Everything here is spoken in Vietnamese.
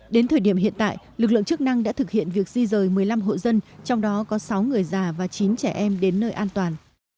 đến thời điểm hiện tại lực lượng chức năng đã thực hiện việc di rời một mươi năm hộ dân trong đó có sáu người già và chín trẻ em đến nơi an toàn